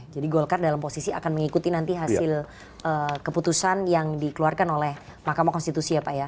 golkar dalam posisi akan mengikuti nanti hasil keputusan yang dikeluarkan oleh mahkamah konstitusi ya pak ya